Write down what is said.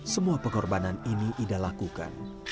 semua pengorbanan ini ida lakukan